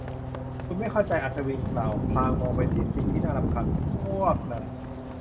ไม่ คุณไม่เข้าใจ อัศวินกล่าว พลางมองไปที่สิ่งที่น่ารำคาญเพวกนั้น